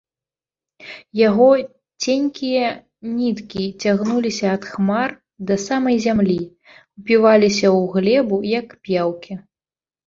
Яго ценькія ніткі цягнуліся ад хмар да самай зямлі, упіваліся ў глебу, як п'яўкі.